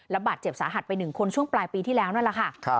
บาดเจ็บสาหัสไป๑คนช่วงปลายปีที่แล้วนั่นแหละค่ะ